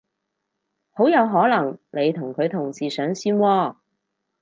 好有可能你同佢同時上線喎